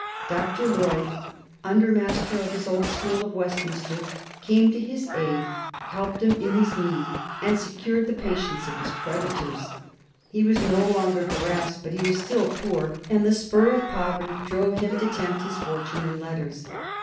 Dr. Lloyd, under master of his old school of Westminster, came to his aid, helped him in his need, and secured the patience of his creditors. He was no longer harassed, but he was still poor, and the spur of poverty drove him to tempt his fortune in letters.